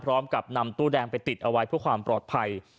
พร้อมกับนำตู้แดงไปติดเอาไว้เพื่อความปลอดภัย